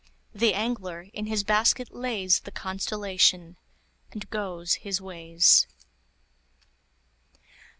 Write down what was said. The angler in his basket lays The constellation, and goes his ways.